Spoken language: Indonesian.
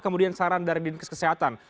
kemudian saran dari dinkes kesehatan